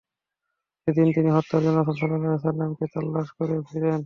সেদিন তিনি হত্যার জন্য রাসূল সাল্লাল্লাহু আলাইহি ওয়াসাল্লাম-কে তালাশ করে ফিরেন।